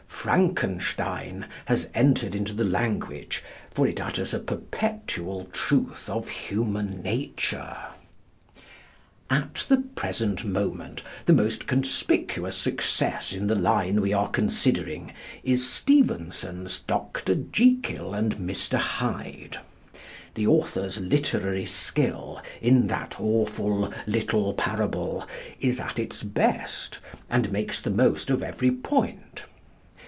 "Frankenstein" has entered into the language, for it utters a perpetual truth of human nature. At the present moment the most conspicuous success in the line we are considering is Stevenson's "Dr. Jekyll and Mr. Hyde." The author's literary skill, in that awful little parable, is at its best, and makes the most of every point.